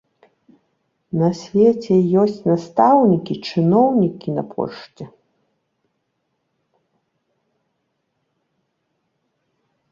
На свеце ёсць настаўнікі, чыноўнікі на пошце.